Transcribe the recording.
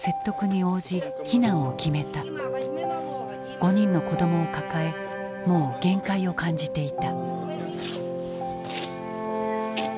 ５人の子どもを抱えもう限界を感じていた。